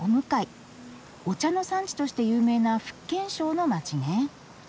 お茶の産地として有名な福建省の街ね。